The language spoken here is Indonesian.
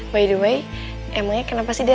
by the by emangnya kenapa sih dia